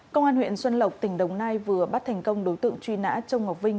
công an huyện xuân lộc tỉnh đồng nai vừa bắt thành công đối tượng truy nã trông ngọc vinh